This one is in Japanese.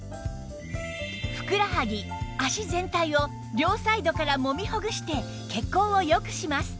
ふくらはぎ脚全体を両サイドからもみほぐして血行をよくします